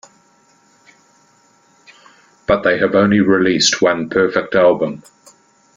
But they have only released one perfect album.